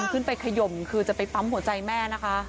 ขึ้นไปขยมคือจะไปปั๊มหัวใจแม่นะคะ